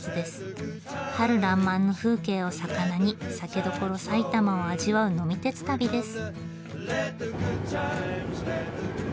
春らんまんの風景をさかなに酒どころ埼玉を味わう呑み鉄旅です。